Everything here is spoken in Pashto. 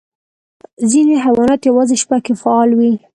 ځینې حیوانات یوازې شپه کې فعال وي.